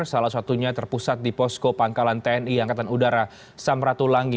salah satunya terpusat di posko pangkalan tni angkatan udara samratulangi